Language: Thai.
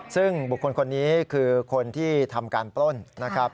ซึ่งบุคคลคนนี้คือคนที่ทำการปล้นนะครับ